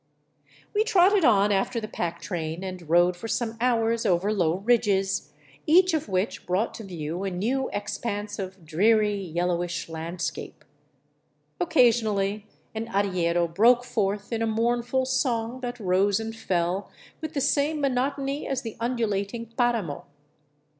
We trotted on after the pack train, and rode for some hours over low ridges, each of which brought to view a new expanse of dreary, yellowish landscape. Occasionally an arriero broke forth in a mourn ful song that rose and fell with the same monotony as the undulating paramo.